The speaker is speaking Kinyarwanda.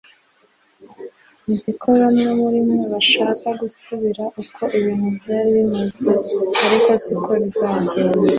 Nzi ko bamwe muri mwe bashaka gusubira uko ibintu byari bimeze ariko siko bizagenda